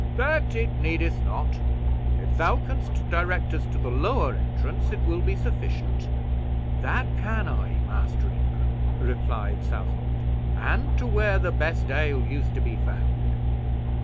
"That it needeth not; if thou canst direct us to the lower entrance it will be sufficient." "That can I, Master Ingram," replied Southwold, "and to where the best ale used to be found."